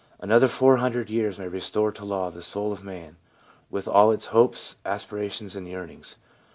Another four hundred years may restore to law the soul of man, with all its hopes, aspirations and yearnings.